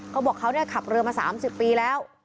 เขาบอกเขาขับเรือมา๓๐ปีแล้ว